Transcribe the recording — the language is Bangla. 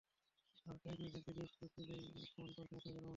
ভারতে আইপিএল খেলতে গিয়েও সুযোগ পেলেই ফোন করছেন মুস্তাফিজুর রহমান, ভাইয়ের ফোনে।